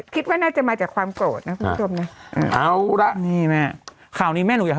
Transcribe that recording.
คิดว่าน่าจะมาจากความโกรธนะคุณผู้ชมนะเอาละนี่แม่ข่าวนี้แม่หนูอยาก